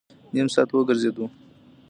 نیم ساعت وګرځېدو.